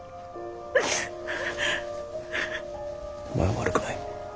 お前は悪くない。